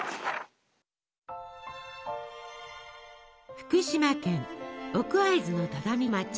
福島県奥会津の只見町。